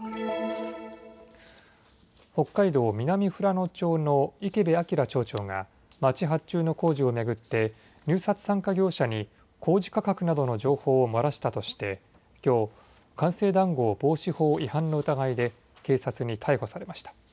北海道南富良野町の池部彰町長が町発注の工事を巡って入札参加業者に工事価格などの情報を漏らしたとしてきょう、官製談合防止法違反の疑いで警察に逮捕されました。